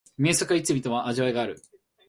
名作はいつ観ても味わいがある